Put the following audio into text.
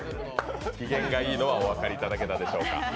機嫌がいいのはお分かりいただけたでしょうか。